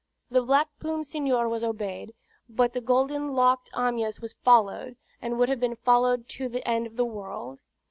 The black plumed senor was obeyed; but the golden locked Amyas was followed; and would have been followed to the end of the world.